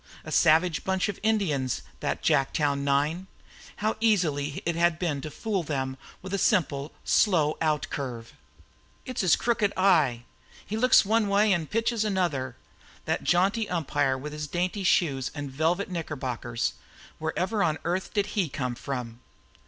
A savage bunch of Indians, that Jacktown nine! How easy it had been to fool them with a simple, slow outcurve! "It's his crooked eye! He looks one way an' pitches another!" That jaunty umpire with his dainty shoes and velvet knickerbockers, wherever on earth did he come from?